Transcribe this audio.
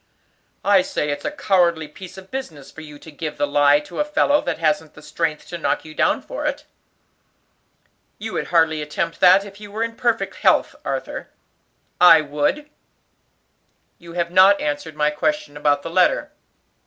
"I say it's a cowardly piece of business for you to give the lie to a fellow that hasn't the strength to knock you down for it." "You would hardly attempt that if you were in perfect health, Arthur." "I would." "You have not answered my question about the letter.